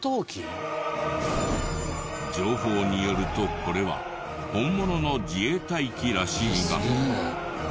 情報によるとこれは本物の自衛隊機らしいが。